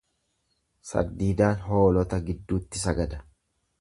Sardidaan hoolota jidduutti sagada.